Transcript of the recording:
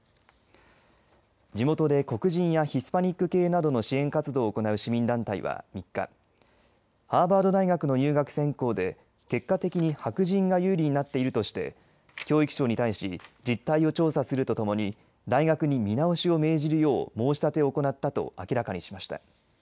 地元で黒人やヒスパニック系などの支援活動を行う市民団体は３日ハーバード大学の入学選考で結果的に白人が有利になっているとして教育省に対し実態を調査するとともに大学に見直しを命じるよう申し立てを行ったと明らかにしました。